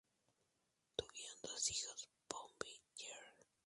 Tuvieron dos hijos, Bobby Jr.